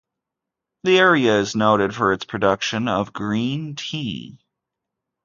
The area is noted for its production of green tea.